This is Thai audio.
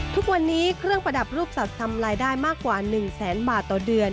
ทุกวันนี้เครื่องประดับรูปสัตว์ทำรายได้มากกว่า๑แสนบาทต่อเดือน